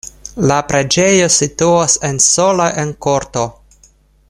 La preĝejo situas en sola en korto.